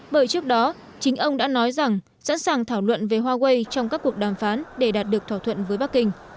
bởi trước đó chính ông đã nói rằng sẵn sàng thảo luận về huawei trong các cuộc đàm phán để đạt được thỏa thuận với bắc kinh